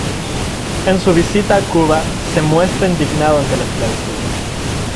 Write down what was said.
En su visita a Cuba, se muestra indignado ante la esclavitud.